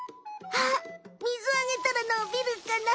あっ水をあげたらのびるかな？